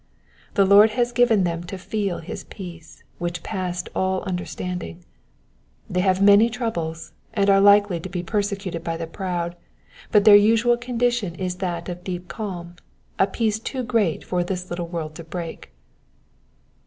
The Lord has given them to feel his peace, which passed all understanding. They have many troubles, and are likely to be persecuted by the proud, but their usual condition is that of deep calm— a peace too great for this little world to break.